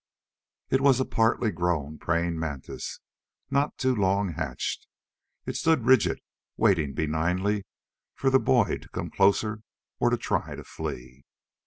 It was a partly grown praying mantis, not too long hatched. It stood rigid, waiting benignly for the boy to come closer or try to flee.